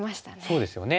そうですよね。